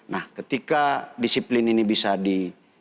nah ketika disiplin ini bisa di